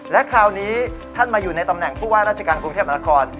และคราวนี้ท่านมาอยู่ในตำแหน่งผู้ว่าราชการกรุงเทพมนาคม